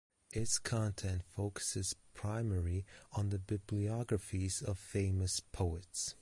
Its content focuses primary on the bibliographies of famous poets.